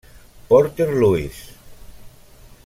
Porter, Lewis.